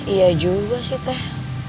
iya juga sih teteh